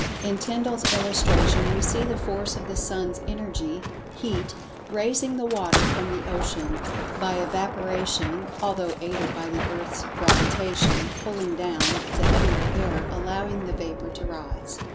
In Tyndall's illustration we see the force of the sun's Energy—heat—raising the water from the ocean, by evaporation (although aided by the earth's gravitation "pulling down" the heavier air, allowing the vapor to rise).